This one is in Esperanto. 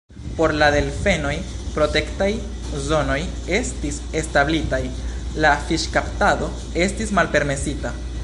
Por la delfenoj protektaj zonoj estis establitaj, la fiŝkaptado estis malpermesita.